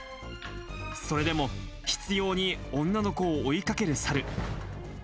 それでも、執ように女の子を追いかけるサル。